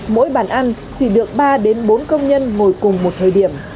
mỗi bàn ăn chỉ được ba bốn công nhân ngồi cùng một thời điểm